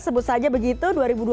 sebut saja begitu dua ribu dua puluh